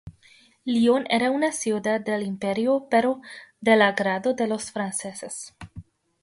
Lyon era una ciudad del imperio pero del agrado de los franceses.